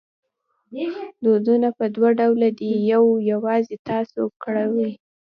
دردونه په دوه ډوله دي یو یوازې تاسو کړوي.